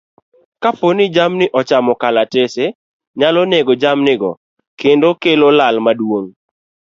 Kapo ni jamni ochamo kalatese nyalo nego jamnigo kendo kelo lal maduong'.